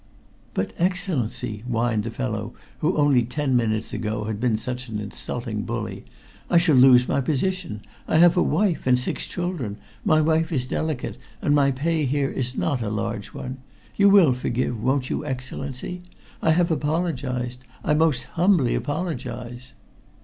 "But, Excellency," whined the fellow who only ten minutes ago had been such an insulting bully, "I shall lose my position. I have a wife and six children my wife is delicate, and my pay here is not a large one. You will forgive, won't you, Excellency? I have apologized I most humbly apologize."